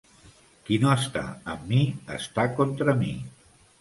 Qui no està amb mi, està contra mi.